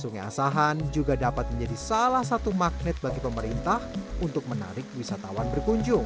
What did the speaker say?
sungai asahan juga dapat menjadi salah satu magnet bagi pemerintah untuk menarik wisatawan berkunjung